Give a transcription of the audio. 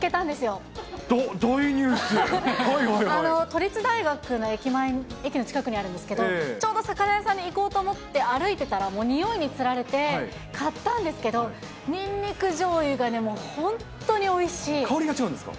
都立大学の駅の近くにあるんですけど、ちょうど魚屋さんに行こうと思って歩いてたら、もう匂いにつられて買ったんですけど、ニンニクじょうゆがね、香りが違うんですか？